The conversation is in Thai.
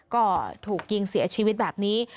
ก็ถูกยิงเสียชีวิตแบบนี้